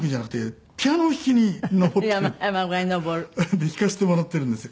で弾かせてもらってるんですよ。